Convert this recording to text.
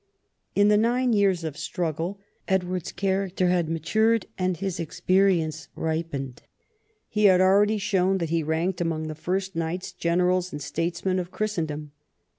In the nine years of struggle Edward's character had become matured and his experience ripened. He had 44 EDWARD I chap, ii already shown that he ranked among the first knights, generals, and statesmen of Christendom.